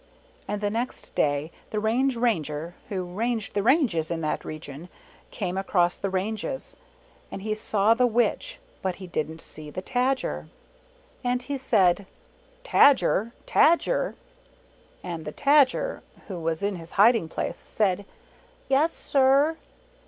And the next day the Range Ranger who ranged the ranges in that region came across the ranges, and he saw the Witch, but he didn't see the Tajer. And he said, "Tajer, Tajer!" And the Tajer, who was in his hiding place, said, "Yes, sir